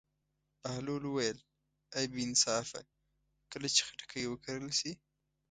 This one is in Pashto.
بهلول وویل: ای بې انصافه کله چې خټکی وکرل شي.